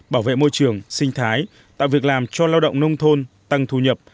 bảo vệ môi trường sinh thái tạo việc làm cho lao động nông thôn tăng thu nhập